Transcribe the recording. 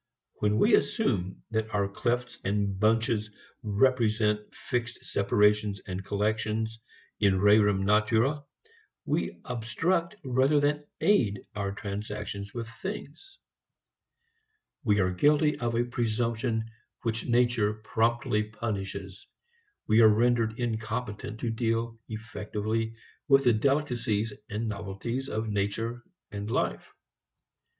When we assume that our clefts and bunches represent fixed separations and collections in rerum natura, we obstruct rather than aid our transactions with things. We are guilty of a presumption which nature promptly punishes. We are rendered incompetent to deal effectively with the delicacies and novelties of nature and life.